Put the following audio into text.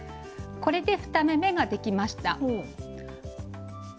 これで２目めができました。